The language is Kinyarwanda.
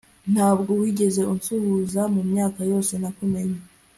ntabwo wigeze unsuhuza mumyaka yose nakumenye